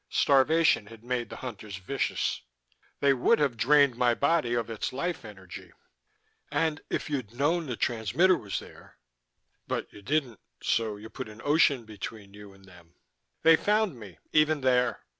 Starvation had made the Hunters vicious. They would have drained my body of its life energy." "And if you'd known the transmitter was there but you didn't. So you put an ocean between you and them." "They found me even there.